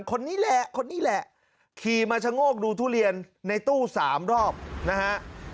คนนี้แหละคนนี้แหละขี่มาชะโงกดูทุเรียนในตู้๓รอบนะฮะ